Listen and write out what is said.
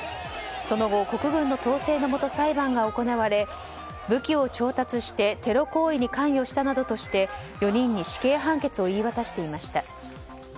その後、国軍の統制のもと裁判が行われ武器を調達してテロ行為に関与したなどとして４人に死刑判決を言い渡していました。